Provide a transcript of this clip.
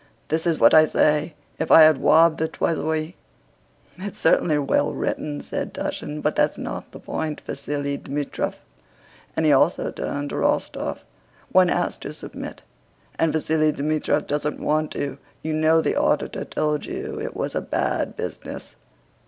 This is what I say: 'If I had wobbed the Tweasuwy...'" "It's certainly well written," said Túshin, "but that's not the point, Vasíli Dmítrich," and he also turned to Rostóv. "One has to submit, and Vasíli Dmítrich doesn't want to. You know the auditor told you it was a bad business."